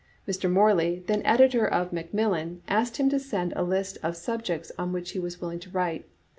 Mr. Morley, then editor of Macmillan^ asked him to send a list of subjects on which he was willing to write.